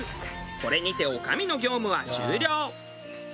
これにて女将の業務は終了。